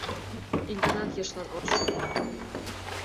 Ик ганат ешлан от шу.